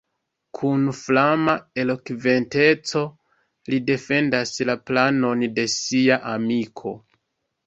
Kun flama elokventeco li defendas la planon de sia amiko.